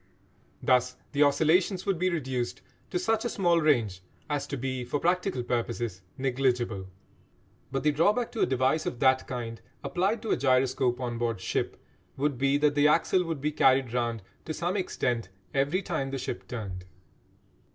Thus the oscillations would be reduced to such a small range as to be for practical purposes negligible. But the drawback to a device of that kind, applied to a gyroscope on board ship, would be that the axle would be carried round to some extent every time the ship turned.